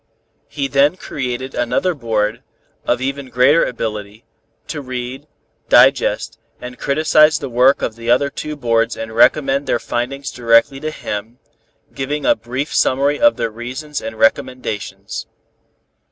He then created another board, of even greater ability, to read, digest and criticise the work of the other two boards and report their findings directly to him, giving a brief summary of their reasons and recommendations.